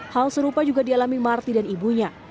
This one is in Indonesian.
hal serupa juga dialami marty dan ibunya